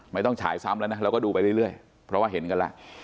ไม่ต้องฉายซ้ำแล้วนะเราก็ดูไปเรื่อยเรื่อยเพราะว่าเห็นกันล่ะ